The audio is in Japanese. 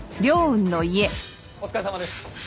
お疲れさまです。